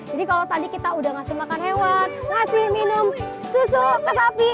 kalau tadi kita udah ngasih makan hewan ngasih minum susu ke sapi